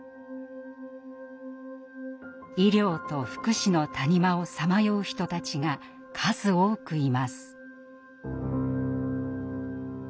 「医療と福祉の谷間」をさまよう人たちが数多くいます。